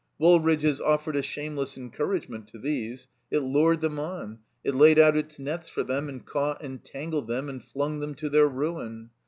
Woolridge's offered a shameless en couragement to these. It lured them on; it laid out its nets for them and caught and tangled them and flimg them to their ruin.